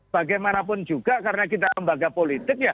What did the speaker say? bagaimanapun juga karena kita lembaga politik ya